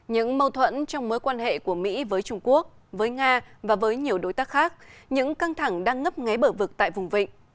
những mâu thuẫn trong mối quan hệ của mỹ với trung quốc với nga và với nhiều đối tác khác những căng thẳng đang ngấp nghé bở vực tại vùng vịnh